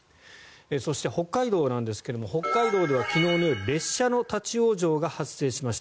そして、北海道なんですが北海道では昨日の夜列車の立ち往生が発生しました。